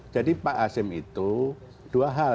jadi pak azim itu dua hal